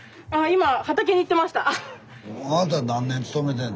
今畑に行ってました。